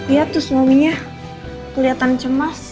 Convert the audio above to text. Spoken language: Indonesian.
iya terus maminya keliatan cemas